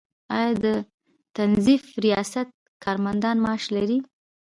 آیا د تنظیف ریاست کارمندان معاش لري؟